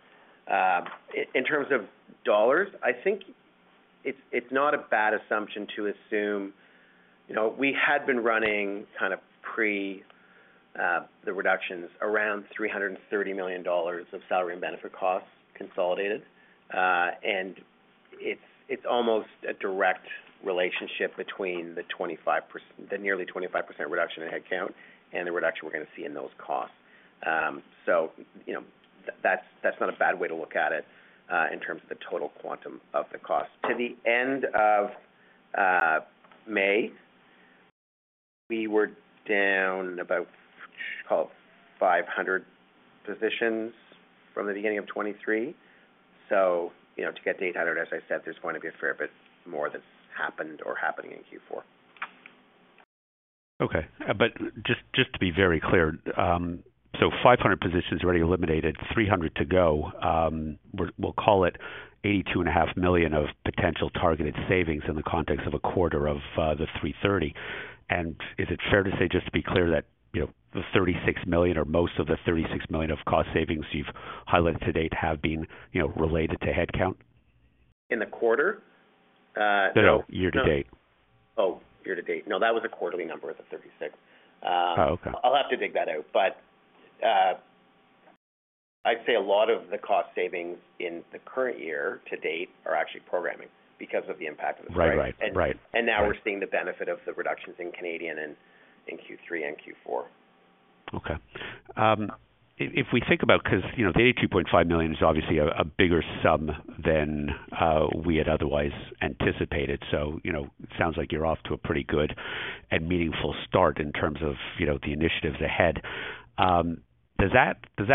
In terms of dollars, I think it's not a bad assumption to assume You know, we had been running kind of pre the reductions around 330 million dollars of salary and benefit costs consolidated, and it's almost a direct relationship between the nearly 25% reduction in headcount and the reduction we're going to see in those costs. So, you know, that's not a bad way to look at it in terms of the total quantum of the cost. To the end of May, we were down about call 500 positions from the beginning of 2023. So, you know, to get to 800, as I said, there's going to be a fair bit more that's happened or happening in Q4. Okay. But just, just to be very clear, so 500 positions already eliminated, 300 to go. We're, we'll call it 82.5 million of potential targeted savings in the context of a quarter of the 330. And is it fair to say, just to be clear, that, you know, the 36 million or most of the 36 million of cost savings you've highlighted to date have been, you know, related to headcount? In the quarter? No, year-to-date. Oh, year-to-date. No, that was a quarterly number of the 36. Oh, okay. I'll have to dig that out. I'd say a lot of the cost savings in the current year-to-date are actually programming because of the impact of the strike. Right, right. And now we're seeing the benefit of the reductions in Canada in Q3 and Q4. Okay. If we think about 'cause, you know, the 82.5 million is obviously a bigger sum than we had otherwise anticipated. So, you know, it sounds like you're off to a pretty good and meaningful start in terms of, you know, the initiatives ahead. Does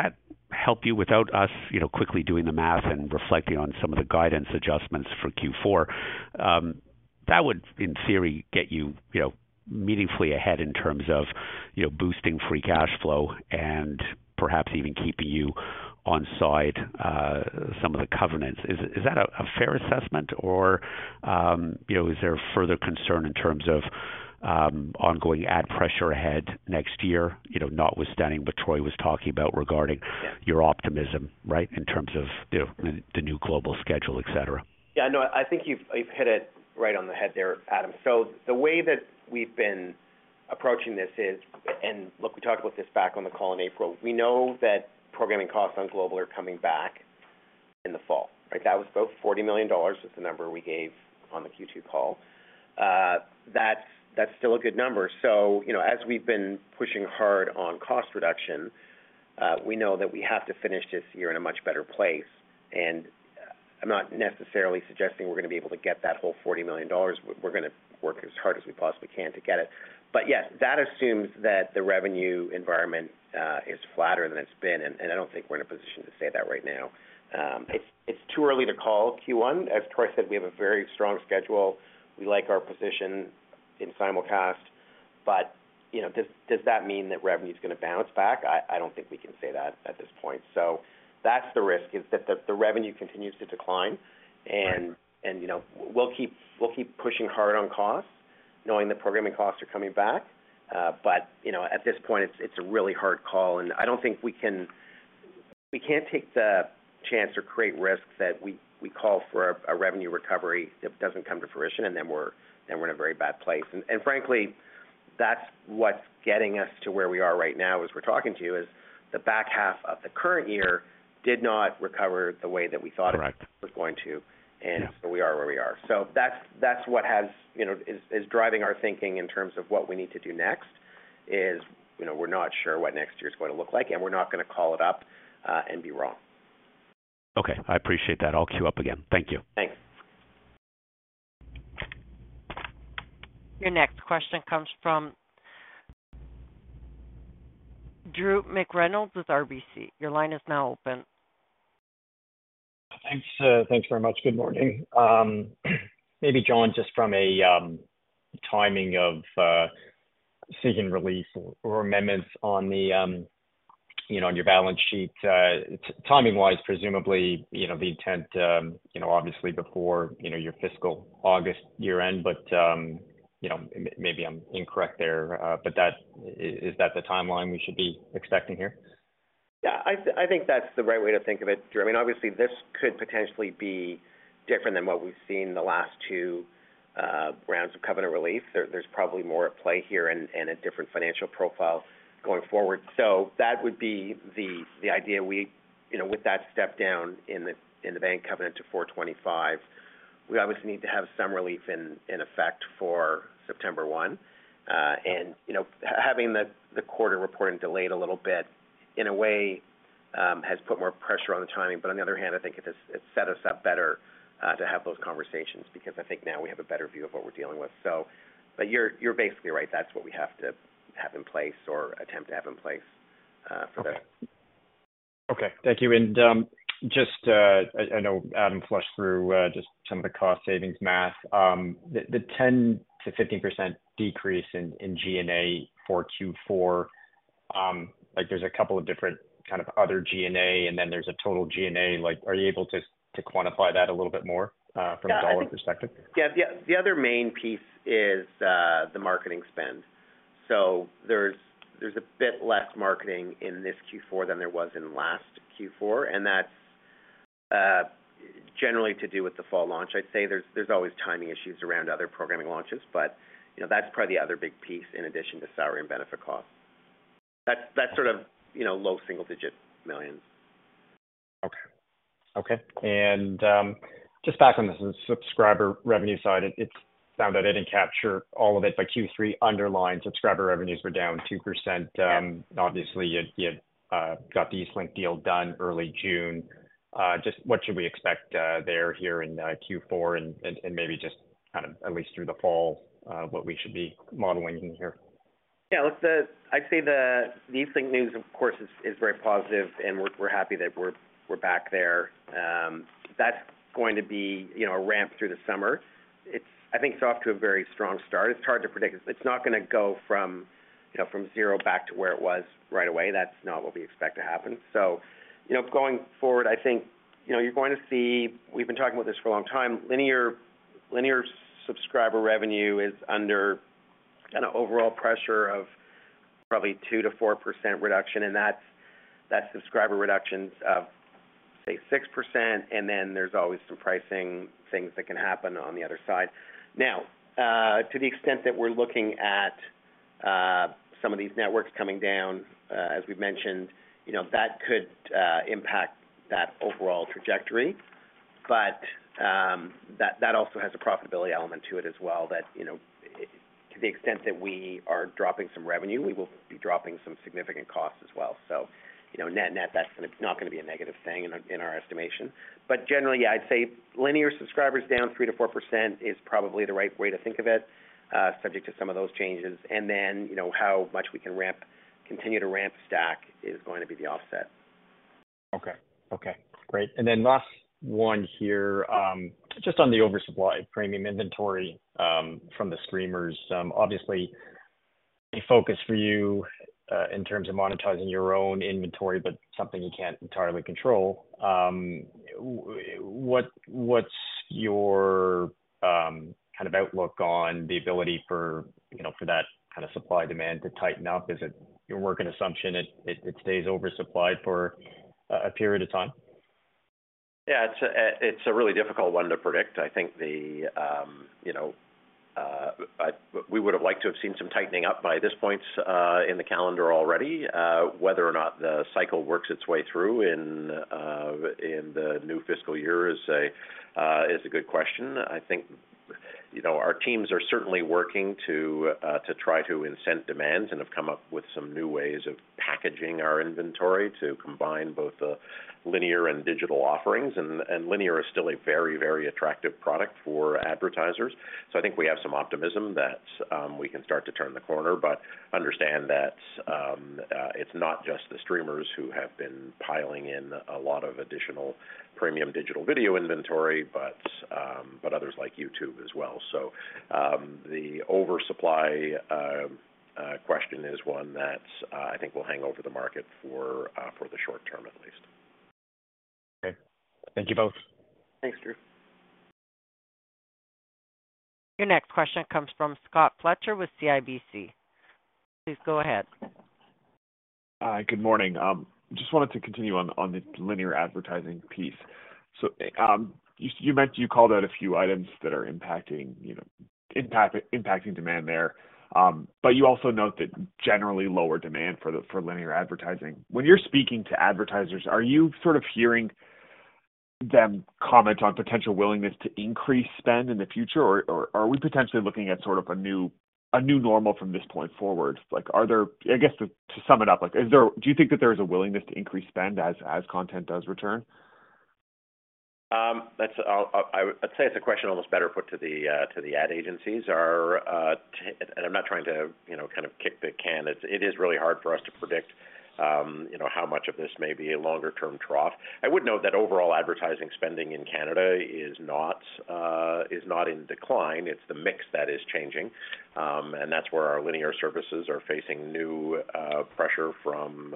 that help you without us, you know, quickly doing the math and reflecting on some of the guidance adjustments for Q4? That would, in theory, get you, you know, meaningfully ahead in terms of, you know, boosting free cash flow and perhaps even keeping you on side some of the covenants. Is that a fair assessment or, you know, is there further concern in terms of ongoing ad pressure ahead next year, you know, notwithstanding what Troy was talking about regarding- Yeah. your optimism, right? In terms of, you know, the new Global schedule, etc. Yeah, no, I think you've hit it right on the head there, Adam. So the way that we've been approaching this is, and look, we talked about this back on the call in April. We know that programming costs on Global are coming back in the fall, right? That was about 40 million dollars, is the number we gave on the Q2 call. That's still a good number. So, you know, as we've been pushing hard on cost reduction, we know that we have to finish this year in a much better place, and I'm not necessarily suggesting we're gonna be able to get that whole 40 million dollars. We're gonna work as hard as we possibly can to get it. But yes, that assumes that the revenue environment is flatter than it's been, and I don't think we're in a position to say that right now. It's too early to call Q1. As Troy said, we have a very strong schedule. We like our position in simulcast, but, you know, does that mean that revenue is gonna bounce back? I don't think we can say that at this point. So that's the risk, is that the revenue continues to decline. Right. You know, we'll keep pushing hard on costs, knowing the programming costs are coming back. But you know, at this point, it's a really hard call, and I don't think we can, we can't take the chance or create risks that we call for a revenue recovery that doesn't come to fruition, and then we're in a very bad place. And frankly, that's what's getting us to where we are right now, as we're talking to you, is the back half of the current year did not recover the way that we thought it was going to. Yeah. So we are where we are. That's what has, you know, is driving our thinking in terms of what we need to do next. You know, we're not sure what next year is going to look like, and we're not gonna call it up and be wrong. Okay, I appreciate that. I'll queue up again. Thank you. Thanks. Your next question comes from Drew McReynolds with RBC. Your line is now open. Thanks, thanks very much. Good morning. Maybe, John, just from a timing of seeking release or amendments on the, you know, on your balance sheet. Timing-wise, presumably, you know, the intent, you know, obviously before, you know, your fiscal August year end, but, you know, maybe I'm incorrect there. But that—is that the timeline we should be expecting here? Yeah, I think that's the right way to think of it, Drew. I mean, obviously, this could potentially be different than what we've seen in the last two rounds of covenant relief. There's probably more at play here and a different financial profile going forward. So that would be the idea we You know, with that step down in the bank covenant to 4.25, we obviously need to have some relief in effect for September 1st. And, you know, having the quarter reporting delayed a little bit, in a way, has put more pressure on the timing. But on the other hand, I think it has set us up better to have those conversations, because I think now we have a better view of what we're dealing with. So, but you're basically right, that's what we have to have in place or attempt to have in place, for this. Okay. Thank you. And just I know Adam flushed through just some of the cost savings math. The 10%-15% decrease in G&A for Q4, like, there's a couple of different kind of other G&A, and then there's a total G&A. Like, are you able to quantify that a little bit more from a dollar perspective? Yeah, the other main piece is the marketing spend. So there's a bit less marketing in this Q4 than there was in last Q4, and that's generally to do with the fall launch. I'd say there's always timing issues around other programming launches, but, you know, that's probably the other big piece in addition to salary and benefit costs. That's sort of, you know, low single-digit millions. Okay. Okay, and just back on the subscriber revenue side So I didn't capture all of it, but Q3 underlying subscriber revenues were down 2%. Yeah. Obviously, you got the Eastlink deal done early June. Just what should we expect there here in Q4 and maybe just kind of at least through the fall, what we should be modeling in here? Yeah, look, the-- I'd say the Eastlink news, of course, is very positive, and we're happy that we're back there. That's going to be, you know, a ramp through the summer. It's-- I think it's off to a very strong start. It's hard to predict. It's not gonna go from, you know, from zero back to where it was right away. That's not what we expect to happen. So, you know, going forward, I think, you know, you're going to see We've been talking about this for a long time, linear subscriber revenue is under kind of overall pressure of probably 2%-4% reduction, and that's subscriber reductions of, say, 6%, and then there's always some pricing things that can happen on the other side. Now, to the extent that we're looking at, some of these networks coming down, as we've mentioned, you know, that could, impact that overall trajectory. But, that, that also has a profitability element to it as well, that, you know, to the extent that we are dropping some revenue, we will be dropping some significant costs as well. So, you know, net-net, that's gonna-- not gonna be a negative thing in our, in our estimation. But generally, yeah, I'd say linear subscribers down 3%-4% is probably the right way to think of it, subject to some of those changes. And then, how much we can ramp, continue to ramp Stack is going to be the offset. Okay. Okay, great. And then last one here, just on the oversupply premium inventory, from the streamers. Obviously a focus for you, in terms of monetizing your own inventory, but something you can't entirely control. What's your kind of outlook on the ability for, you know, for that kind of supply demand to tighten up? Is it your working assumption it stays oversupplied for a period of time? Yeah, it's a really difficult one to predict. I think the, you know, we would have liked to have seen some tightening up by this point, in the calendar already. Whether or not the cycle works its way through in, in the new fiscal year is a, is a good question. I think, you know, our teams are certainly working to, to try to incent demand and have come up with some new ways of packaging our inventory to combine both the linear and digital offerings. And, and linear is still a very, very attractive product for advertisers. So I think we have some optimism that, we can start to turn the corner. But understand that it's not just the streamers who have been piling in a lot of additional premium digital video inventory, but others like YouTube as well. So, the oversupply question is one that I think will hang over the market for the short term at least. Okay. Thank you both. Thanks, Drew. Your next question comes from Scott Fletcher with CIBC. Please go ahead. Good morning. Just wanted to continue on the linear advertising piece. So, you meant you called out a few items that are impacting, you know, impacting demand there. But you also note that generally lower demand for linear advertising. When you're speaking to advertisers, are you sort of hearing them comment on potential willingness to increase spend in the future? Or are we potentially looking at sort of a new normal from this point forward? Like, are there I guess, to sum it up, like, is there do you think that there is a willingness to increase spend as content does return? That's, I'd say it's a question almost better put to the ad agencies. Our And I'm not trying to, you know, kind of kick the can. It is really hard for us to predict, you know, how much of this may be a longer term trough. I would note that overall advertising spending in Canada is not in decline. It's the mix that is changing. And that's where our linear services are facing new pressure from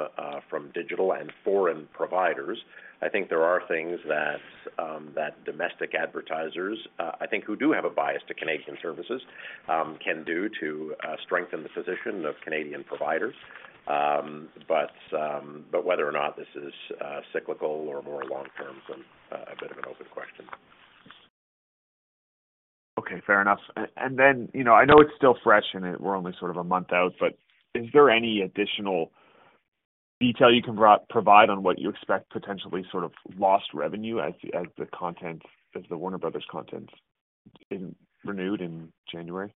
digital and foreign providers. I think there are things that domestic advertisers, I think, who do have a bias to Canadian services, can do to strengthen the position of Canadian providers. But whether or not this is cyclical or more long term is a bit of an open question. Okay, fair enough. And then, you know, I know it's still fresh, and we're only sort of a month out, but is there any additional detail you can provide on what you expect, potentially, sort of lost revenue as the content, as the Warner Bros. content is not renewed in January?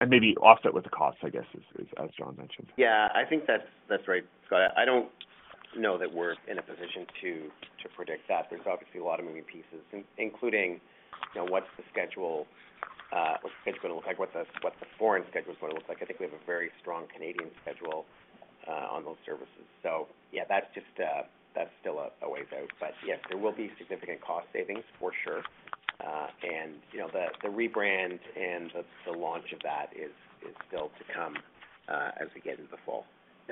And maybe offset with the costs, I guess, as John mentioned. Yeah, I think that's right, Scott. I don't know that we're in a position to predict that. There's obviously a lot of moving pieces, including, you know, what's the schedule or schedule gonna look like? What the foreign schedule is gonna look like. I think we have a very strong Canadian schedule on those services. So yeah, that's just, that's still a ways out. But yes, there will be significant cost savings for sure. And, you know, the rebrand and the launch of that is still to come, as we get into the fall.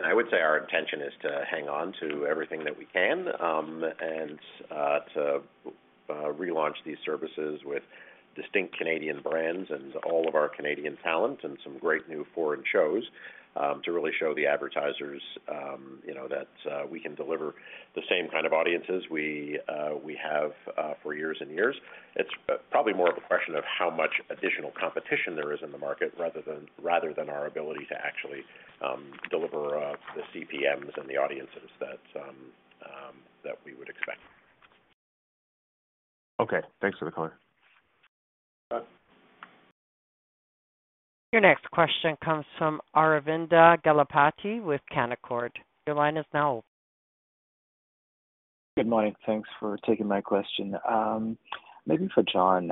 I would say our intention is to hang on to everything that we can, and to relaunch these services with distinct Canadian brands and all of our Canadian talent and some great new foreign shows, to really show the advertisers, you know, that we can deliver the same kind of audiences we have for years and years. It's probably more of a question of how much additional competition there is in the market, rather than our ability to actually deliver the CPMs and the audiences that we would expect. Okay, thanks for the color. Yeah. Your next question comes from Aravinda Galappatthige with Canaccord. Your line is now open. Good morning. Thanks for taking my question. Maybe for John.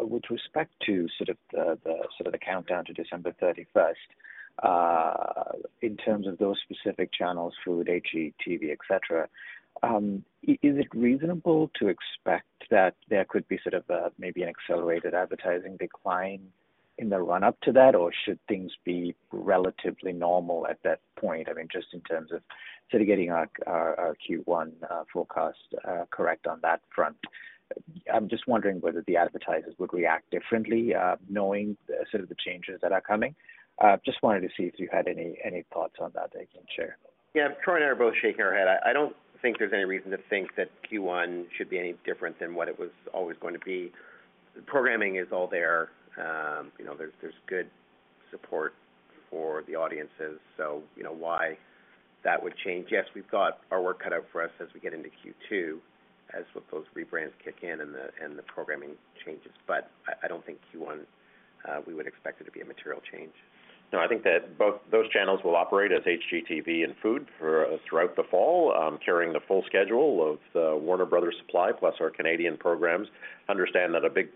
With respect to sort of the countdown to December 31st, in terms of those specific channels, Food, HGTV, etc, is it reasonable to expect that there could be sort of maybe an accelerated advertising decline in the run-up to that? Or should things be relatively normal at that point? I mean, just in terms of sort of getting our Q1 forecast correct on that front. I'm just wondering whether the advertisers would react differently, knowing the sort of the changes that are coming. Just wanted to see if you had any thoughts on that that you can share. Yeah, Troy and I are both shaking our head. I don't think there's any reason to think that Q1 should be any different than what it was always going to be. Programming is all there. You know, there's good support for the audiences, so you know why that would change. Yes, we've got our work cut out for us as we get into Q2, as those rebrands kick in and the programming changes. But I don't think Q1, we would expect there to be a material change. No, I think that both those channels will operate as HGTV and Food throughout the fall, carrying the full schedule of Warner Bros. supply, plus our Canadian programs. Understand that a big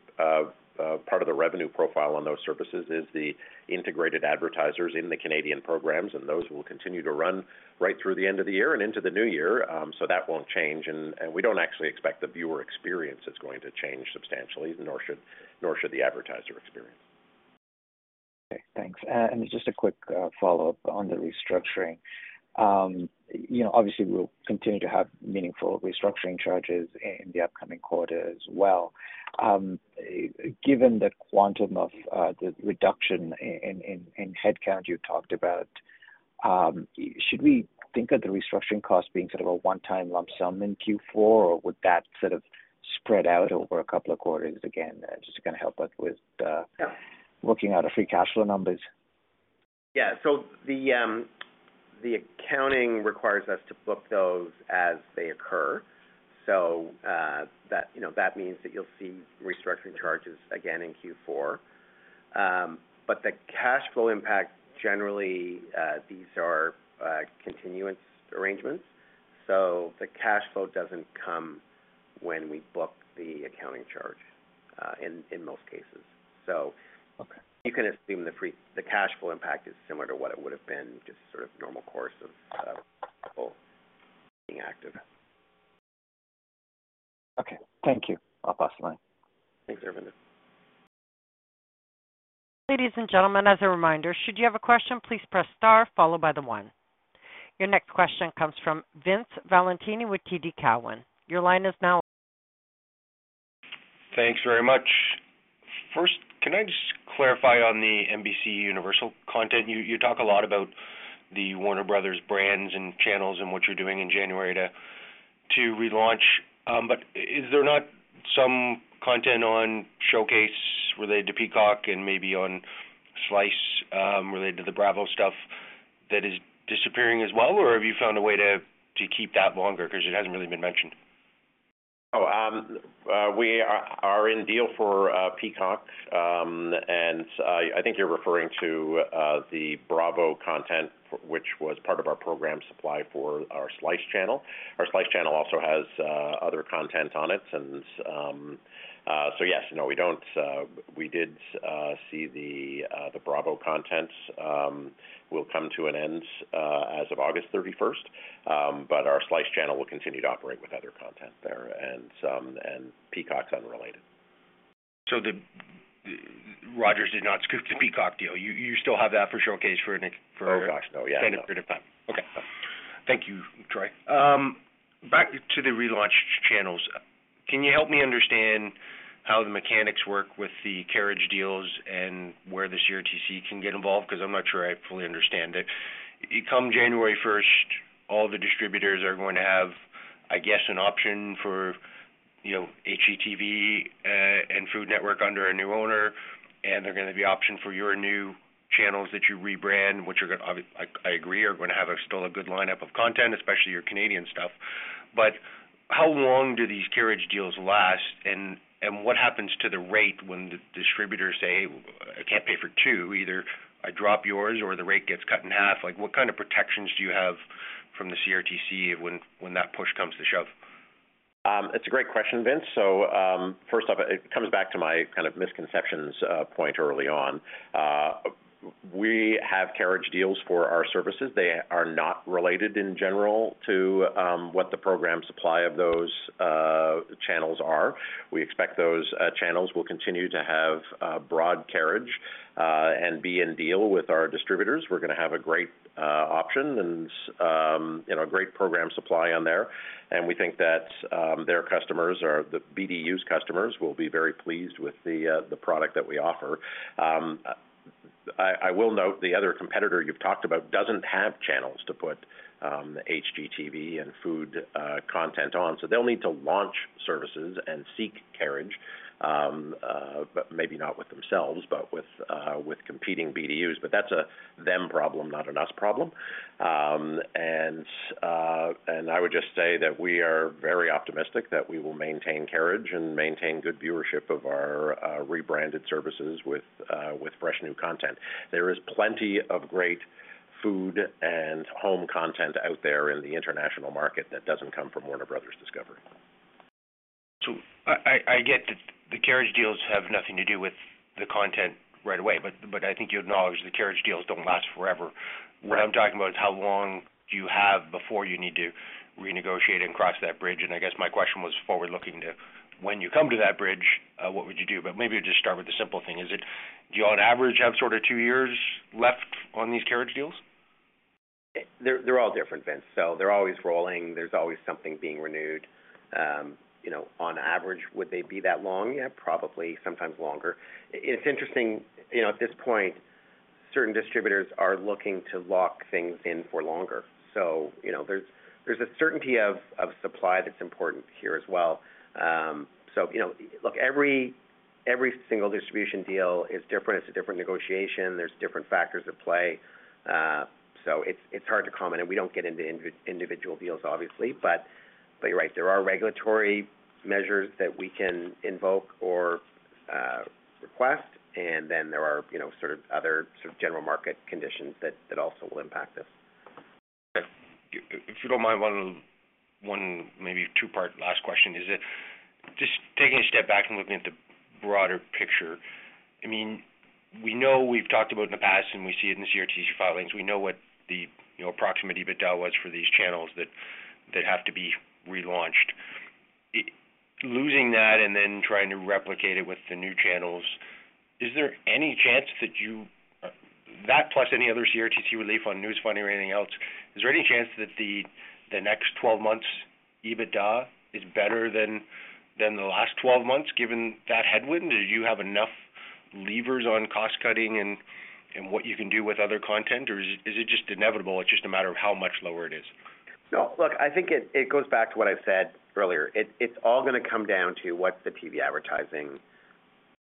part of the revenue profile on those services is the integrated advertisers in the Canadian programs, and those will continue to run right through the end of the year and into the new year. So that won't change. We don't actually expect the viewer experience is going to change substantially, nor should, nor should the advertiser experience. Okay, thanks. And just a quick follow-up on the restructuring. You know, obviously, we'll continue to have meaningful restructuring charges in the upcoming quarter as well. Given the quantum of the reduction in headcount you talked about, should we think of the restructuring cost being sort of a one-time lump sum in Q4, or would that sort of spread out over a couple of quarters again? Just gonna help us with- Yeah. working out a free cash flow numbers. Yeah. So the, the accounting requires us to book those as they occur. So, that, you know, that means that you'll see restructuring charges again in Q4. But the cash flow impact, generally, these are, continuance arrangements, so the cash flow doesn't come when we book the accounting charge, in most cases. So- Okay. You can assume the free cash flow impact is similar to what it would have been, just sort of normal course of being active. Okay. Thank you. I'll pass the line. Thanks, Aravinda. Ladies and gentlemen, as a reminder, should you have a question, please press star followed by the one. Your next question comes from Vince Valentini with TD Cowen. Your line is now- Thanks very much. First, can I just clarify on the NBCUniversal content? You talk a lot about the Warner Bros. brands and channels and what you're doing in January to relaunch. But is there not some content on Showcase related to Peacock and maybe on Slice related to the Bravo stuff that is disappearing as well, or have you found a way to keep that longer? Because it hasn't really been mentioned. Oh, we are in deal for Peacock. I think you're referring to the Bravo content, which was part of our program supply for our Slice channel. Our Slice channel also has other content on it, and so yes, no, we don't. We did see the Bravo content will come to an end as of August 31st, but our Slice channel will continue to operate with other content there, and some, and Peacock's unrelated. So Rogers did not scoop the Peacock deal. You still have that for Showcase for next, for- Oh, gosh, no. Yeah. Period of time. Okay. Thank you, Troy. Back to the relaunch channels. Can you help me understand how the mechanics work with the carriage deals and where the CRTC can get involved? Because I'm not sure I fully understand it. Come January first, all the distributors are going to have, I guess, an option for, you know, HGTV and Food Network under a new owner, and they're going to be option for your new channels that you rebrand, which are gonna, I agree, are going to have a still a good lineup of content, especially your Canadian stuff. But how long do these carriage deals last, and what happens to the rate when the distributors say, "I can't pay for two, either I drop yours or the rate gets cut in half"? Like, what kind of protections do you have from the CRTC when that push comes to shove? It's a great question, Vince. So, first off, it comes back to my kind of misconceptions, point early on. We have carriage deals for our services. They are not related in general to, what the program supply of those, channels are. We expect those, channels will continue to have, broad carriage, and be in deal with our distributors. We're going to have a great, option and, you know, great program supply on there, and we think that, their customers or the BDU's customers will be very pleased with the, the product that we offer. I will note the other competitor you've talked about doesn't have channels to put HGTV and food content on, so they'll need to launch services and seek carriage, but maybe not with themselves, but with competing BDUs. But that's a them problem, not a us problem. And I would just say that we are very optimistic that we will maintain carriage and maintain good viewership of our rebranded services with fresh, new content. There is plenty of great food and home content out there in the international market that doesn't come from Warner Bros. Discovery. So I get that the carriage deals have nothing to do with the content right away, but I think you acknowledge the carriage deals don't last forever. Right. What I'm talking about is how long do you have before you need to renegotiate and cross that bridge? And I guess my question was forward-looking to when you come to that bridge, what would you do? But maybe just start with the simple thing. Is it, do you, on average, have sort of two years left on these carriage deals? They're all different, Vince, so they're always rolling. There's always something being renewed. You know, on average, would they be that long? Yeah, probably, sometimes longer. It's interesting, you know, at this point, certain distributors are looking to lock things in for longer. So, you know, there's a certainty of supply that's important here as well. So you know, look, every single distribution deal is different. It's a different negotiation. There's different factors at play. So it's hard to comment, and we don't get into individual deals, obviously. But you're right, there are regulatory measures that we can invoke or request, and then there are, you know, sort of other sort of general market conditions that also will impact us. If you don't mind, 1, 1, maybe 2-part last question, is it Just taking a step back and looking at the broader picture, I mean, we know we've talked about in the past and we see it in the CRTC filings. We know what the, you know, approximate EBITDA was for these channels that, that have to be relaunched. Losing that and then trying to replicate it with the new channels, is there any chance that you-- that plus any other CRTC relief on news funding or anything else, is there any chance that the, the next 12 months, EBITDA is better than, than the last 12 months, given that headwind? Do you have enough levers on cost-cutting and, and what you can do with other content, or is, is it just inevitable, it's just a matter of how much lower it is? No, look, I think it goes back to what I said earlier. It's all going to come down to what's the TV advertising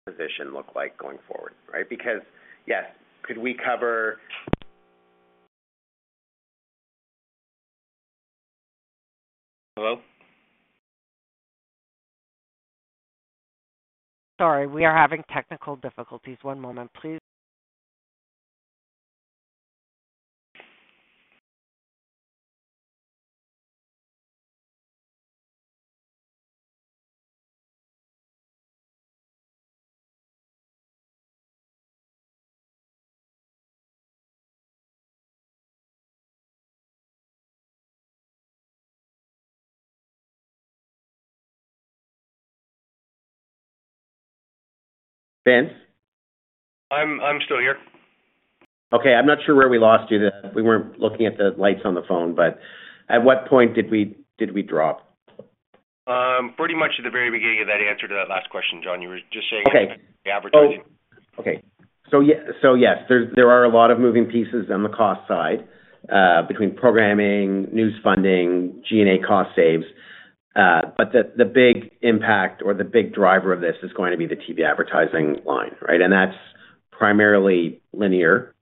position look like going forward, right? Because, yes, could we cover Hello? Sorry, we are having technical difficulties. One moment, please. Vince? I'm still here. Okay, I'm not sure where we lost you. We weren't looking at the lights on the phone, but at what point did we drop? Pretty much at the very beginning of that answer to that last question, John. You were just saying- Okay. -the advertising. Okay. So yeah, so yes, there are a lot of moving pieces on the cost side between programming, news funding, G&A cost saves. But the big impact or the big driver of this is going to be the TV advertising line, right? And that's primarily linear.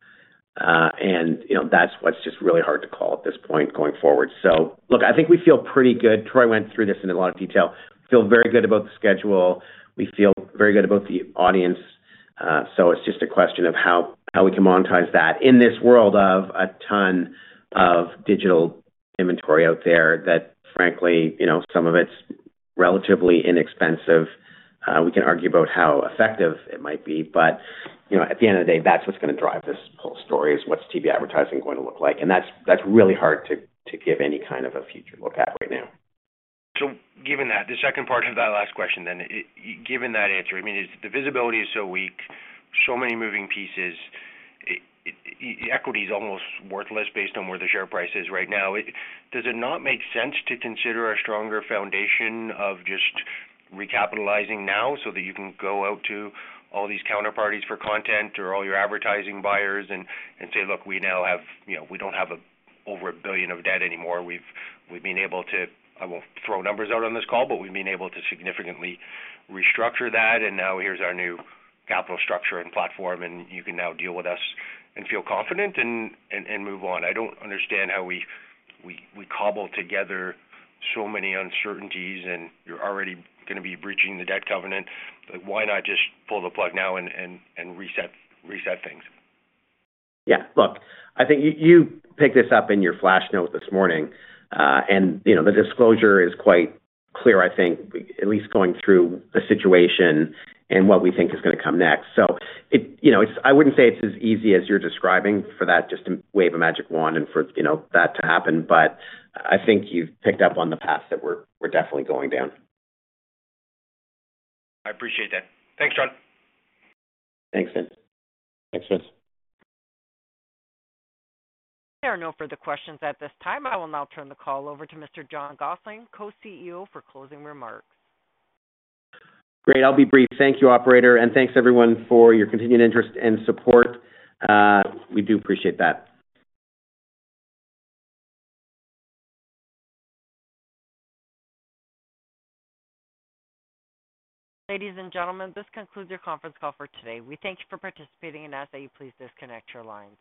And, you know, that's what's just really hard to call at this point going forward. So look, I think we feel pretty good. Troy went through this in a lot of detail. Feel very good about the schedule. We feel very good about the audience. So it's just a question of how we can monetize that in this world of a ton of digital inventory out there that frankly, you know, some of it's relatively inexpensive. We can argue about how effective it might be, but, you know, at the end of the day, that's what's going to drive this whole story, is what's TV advertising going to look like? And that's, that's really hard to give any kind of a future look at right now. So given that, the second part of that last question then, given that answer, I mean, if the visibility is so weak, so many moving pieces, equity is almost worthless based on where the share price is right now. Does it not make sense to consider a stronger foundation of just recapitalizing now so that you can go out to all these counterparties for content or all your advertising buyers and, and say, "Look, we now have, you know, we don't have over 1 billion of debt anymore. We've been able to, "I won't throw numbers out on this call," but we've been able to significantly restructure that, and now here's our new capital structure and platform, and you can now deal with us and feel confident and move on. I don't understand how we cobble together so many uncertainties, and you're already going to be breaching the debt covenant. Why not just pull the plug now and reset things? Yeah, look, I think you, you picked this up in your flash note this morning. And, you know, the disclosure is quite clear, I think, at least going through the situation and what we think is going to come next. So it You know, it's, I wouldn't say it's as easy as you're describing for that, just to wave a magic wand and for, you know, that to happen, but I think you've picked up on the path that we're, we're definitely going down. I appreciate that. Thanks, John. Thanks, Vince. Thanks, Vince. There are no further questions at this time. I will now turn the call over to Mr. John Gossling, Co-CEO, for closing remarks. Great. I'll be brief. Thank you, operator, and thanks everyone for your continued interest and support. We do appreciate that. Ladies and gentlemen, this concludes your conference call for today. We thank you for participating and ask that you please disconnect your lines.